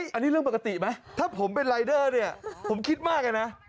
อันนี้เรื่องปกติไหมถ้าผมเป็นรายเดอร์เนี่ยผมคิดมากเลยนะ